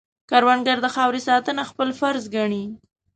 کروندګر د خاورې ساتنه خپله فرض ګڼي